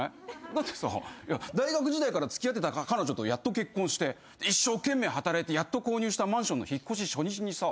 だってさ大学時代から付き合ってた彼女とやっと結婚して一生懸命働いてやっと購入したマンションの引っ越し初日にさ